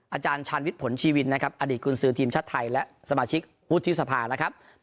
อาจารย์ชาญวิทย์ผลชีวินนะครับอดีตกุญสือทีมชาติไทยและสมาชิกวุฒิสภานะครับ